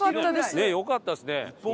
ねえよかったですね。